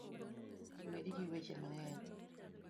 Weri gi weche mang'eny